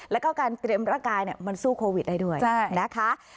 แล้วก็การเตรียมร่างกายมันสู้โควิดได้ด้วยนะคะ